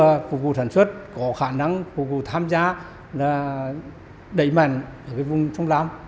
và phục vụ sản xuất có khả năng phục vụ tham gia là đẩy mạnh vùng trong làm